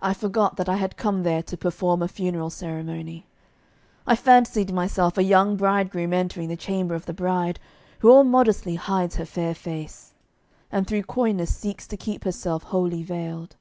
I forgot that I had come there to perform a funeral ceremony; I fancied myself a young bridegroom entering the chamber of the bride, who all modestly hides her fair face, and through coyness seeks to keep herself wholly veiled.